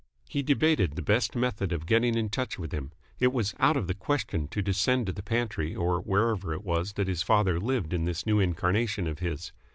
He debated the best method of getting in touch with him. It was out of the question to descend to the pantry or wherever it was that his father lived in this new incarnation of his.